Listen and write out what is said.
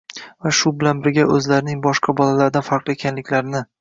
va shu bilan birga o‘zlarining boshqa bolalardan farqli ekanliklarini